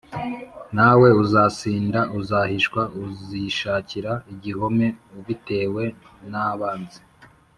Nawe uzasinda, uzahishwa uzishakira igihome ubitewe n’abanzi.